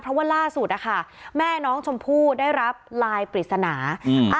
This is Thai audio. เพราะว่าล่าสุดนะคะแม่น้องชมพู่ได้รับลายปริศนาอืม